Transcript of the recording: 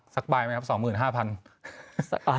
สักใบไหมครับ๒๕๐๐บาท